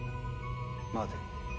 待て。